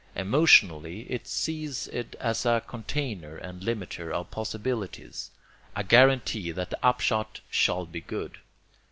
Emotionally, it sees it as a container and limiter of possibilities, a guarantee that the upshot shall be good.